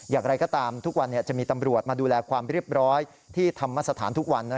อย่างไรก็ตามทุกวันจะมีตำรวจมาดูแลความเรียบร้อยที่ธรรมสถานทุกวัน